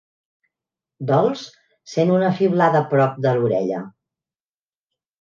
Dols sent una fiblada prop de l'orella.